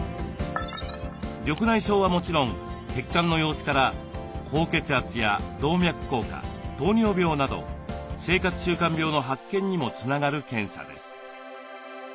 緑内障はもちろん血管の様子から高血圧や動脈硬化糖尿病など生活習慣病の発見にもつながる検査です。